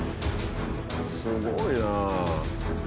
すごいな。